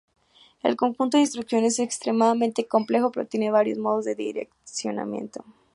El conjunto de instrucciones es extremadamente complejo pero, tiene varios modos de direccionamiento.